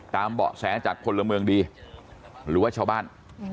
เบาะแสจากพลเมืองดีหรือว่าชาวบ้าน